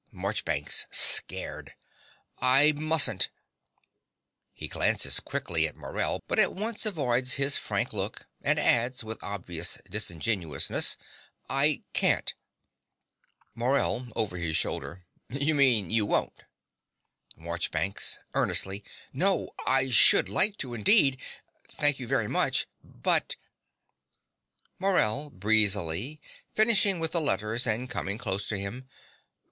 MARCHBANKS (scared). I mustn't. (He glances quickly at Morell, but at once avoids his frank look, and adds, with obvious disingenuousness) I can't. MORELL (over his shoulder). You mean you won't. MARCHBANKS (earnestly). No: I should like to, indeed. Thank you very much. But but MORELL (breezily, finishing with the letters and coming close to him).